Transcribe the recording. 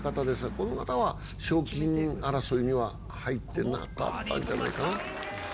この方は賞金争いには入ってなかったんじゃないかな。